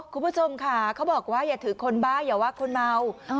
คุณผู้ชมค่ะเขาบอกว่าอย่าถือคนบ้าอย่าว่าคนเมา